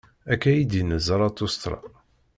Akka i d-inna Zarathustra.